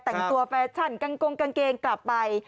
แต่งตัวแฟชั่นกางกงกางเกงกลับไป